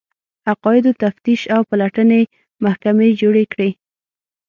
عقایدو تفتیش او پلټنې محکمې جوړې کړې